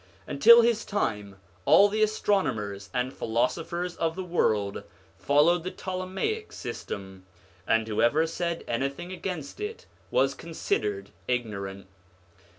Until his time all the astronomers and philosophers of the world followed the Ptolemaic system, and whoever said any thing against it was considered ignorant.